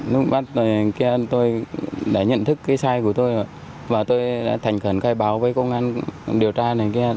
lúc bắt kia tôi đã nhận thức cái sai của tôi và tôi đã thành khẩn khai báo với công an điều tra này kia